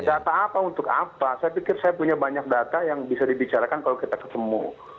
data apa untuk apa saya pikir saya punya banyak data yang bisa dibicarakan kalau kita ketemu